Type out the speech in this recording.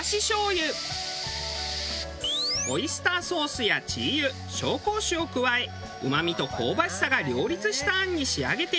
オイスターソースや鶏油紹興酒を加えうまみと香ばしさが両立した餡に仕上げている。